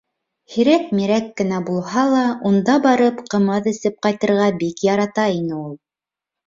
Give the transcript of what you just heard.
Һирәк-мирәк кенә булһа ла, унда барып, ҡымыҙ эсеп ҡайтырға бик ярата ине ул.